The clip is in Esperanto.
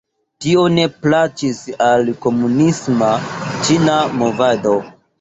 Tio ne plaĉis al komunisma ĉina movado.